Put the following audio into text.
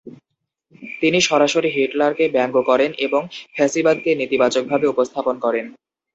তিনি সরাসরি হিটলারকে ব্যঙ্গ করেন এবং ফ্যাসিবাদকে নেতিবাচকভাবে উপস্থাপন করেন।